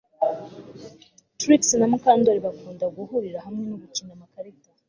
Trix na Mukandoli bakunda guhurira hamwe no gukina amakarita